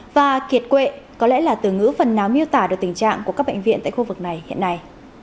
và kiệt quệ có lẽ là từ ngữ phần náo miêu tả được tình trạng của các bệnh viện tại khu vực này hiện nay